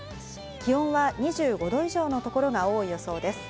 気温は２５度以上のところが多い予想です。